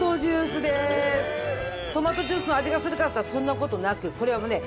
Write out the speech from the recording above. トマトジュースの味がするかっていったらそんな事なくこれもね